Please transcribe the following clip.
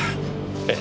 ええ。